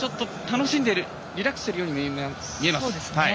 楽しんでいる、リラックスしているように見えます。